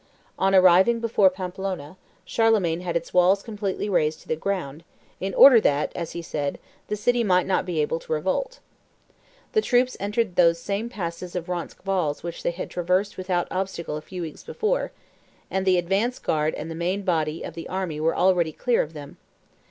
On arriving before Pampeluna, Charlemagne had its walls completely razed to the ground, "in order that," as he said, "that city might not be able to revolt." The troops entered those same passes of Roncesvalles which they had traversed without obstacle a few weeks before; and the advance guard and the main body of the army were already clear of them.